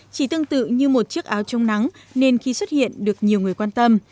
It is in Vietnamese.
chỉ tương tự như một chiếc áo trông nắng nên khi xuất hiện được nhiều người quan tâm